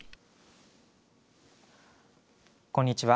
こんにちは。